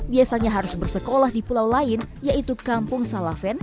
biasanya harus bersekolah di pulau lain yaitu kampung salaven